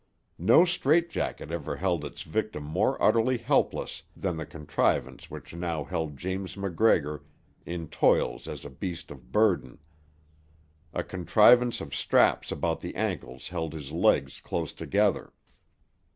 No strait jacket ever held its victim more utterly helpless than the contrivance which now held James MacGregor in toils as a beast of burden. A contrivance of straps about the ankles held his legs close together.